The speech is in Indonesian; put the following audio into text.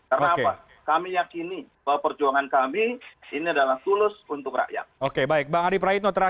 karena apa kami yakini bahwa perjuangan